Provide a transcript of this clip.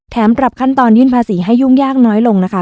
ปรับขั้นตอนยื่นภาษีให้ยุ่งยากน้อยลงนะคะ